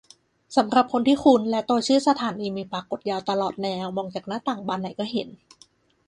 สำหรับคนที่คุ้น และตัวชื่อสถานีมีปรากฏยาวตลอดแนว มองจากหน้าต่างบานไหนก็เห็น